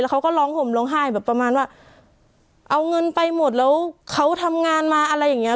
เขาก็ร้องห่มร้องไห้แบบประมาณว่าเอาเงินไปหมดแล้วเขาทำงานมาอะไรอย่างเงี้